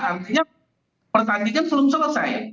artinya pertandingan belum selesai